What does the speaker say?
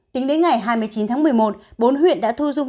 tính đến ngày hai mươi chín tháng một mươi một bốn huyện đã thu dung